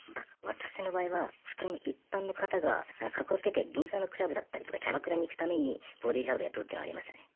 私の場合は普通の一般の方がカッコつけて銀座のクラブだったりとかキャバクラに行くためにボディーガード雇うっていうのありましたね。